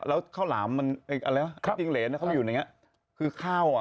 แล้วข้าวหลามมันอะไรวะครับจิ้งเหลนเข้าไปอยู่ในนี้คือข้าวอ่ะ